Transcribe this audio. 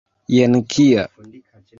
Jen kia!